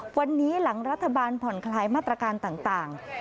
วันนี้หลังรัฐบาลผ่อนคลายมาตรการต่าง